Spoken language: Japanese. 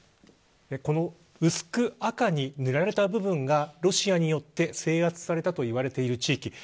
この薄く赤に塗られた部分がロシアによって制圧されたといわれている地域。